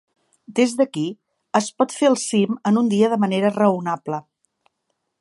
Des d'aquí, es pot fer el cim en un dia de manera raonable.